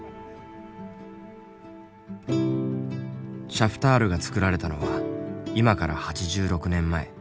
シャフタールがつくられたのは今から８６年前。